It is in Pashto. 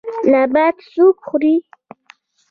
نباتات څوک خوري